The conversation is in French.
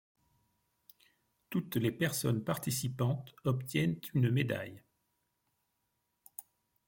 Toutes les personnes participantes obtiennent une médaille.